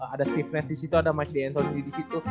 ada steven nets disitu ada mike d antoni disitu